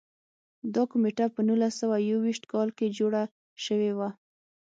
دا کمېټه په نولس سوه یو ویشت کال کې جوړه شوې وه.